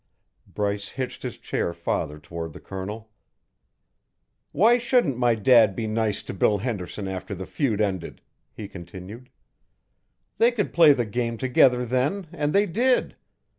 Bryce hitched his chair farther toward the Colonel. "Why shouldn't my dad be nice to Bill Henderson after the feud ended?" he continued. "They could play the game together then, and they did.